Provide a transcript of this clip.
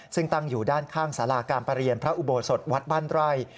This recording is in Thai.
ซึ่งตั้งอยู่ด้านข้างสาราการประเรียนพระอุโบสถวัดบ้านไร่